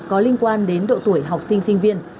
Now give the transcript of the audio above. có liên quan đến độ tuổi học sinh sinh viên